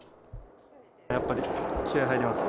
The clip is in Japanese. やっぱり気合い入りますね。